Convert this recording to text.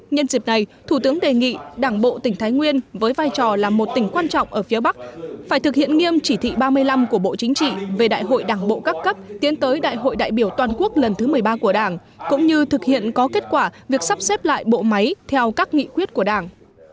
nhân dịp này thủ tướng đề nghị đảng bộ tỉnh thái nguyên với vai trò là một tỉnh quan trọng ở phía bắc phải thực hiện nghiêm chỉ thị ba mươi năm của bộ chính trị về đại hội đảng bộ các cấp tiến tới đại hội đại biểu toàn quốc lần thứ một mươi ba của đảng cũng như thực hiện có kết quả việc sắp xếp lại bộ máy theo các nghị quyết của đảng